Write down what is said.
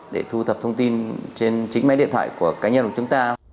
để thu thập thông tin trên chính máy điện thoại của cá nhân của chúng ta